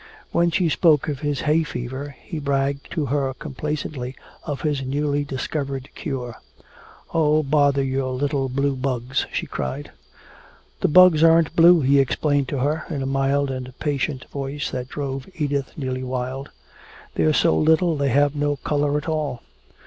When she spoke of his hay fever he bragged to her complacently of his newly discovered cure. "Oh, bother your little blue bugs!" she cried. "The bugs aren't blue," he explained to her, in a mild and patient voice that drove Edith nearly wild. "They're so little they have no color at all.